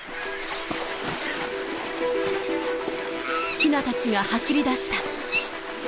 ヒナたちが走りだした。